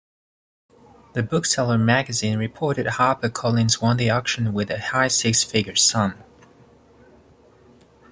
"The Bookseller" magazine reported HarperCollins won the auction with a high six-figure sum.